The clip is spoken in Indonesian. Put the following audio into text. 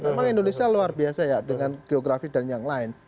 memang indonesia luar biasa ya dengan geografi dan yang lain